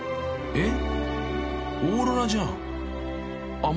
えっ！？